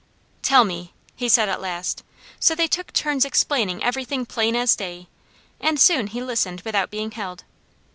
"Tell me!" he said at last, so they took turns explaining everything plain as day, and soon he listened without being held.